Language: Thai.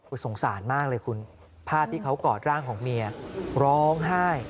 สงสารมากเลยคุณภาพที่เขากอดร่างของเมียร้องไห้